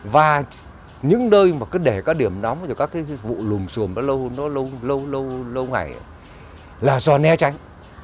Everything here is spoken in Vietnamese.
và những nơi mà cứ để các điểm nóng và các vụ lùm xùm nó lâu ngày là do né tránh